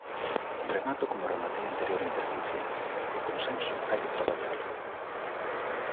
Remato como rematei a anterior intervención: o consenso hai que traballalo.